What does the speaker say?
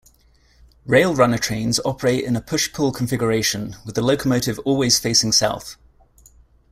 Rail Runner trains operate in a push-pull configuration, with the locomotive always facing south.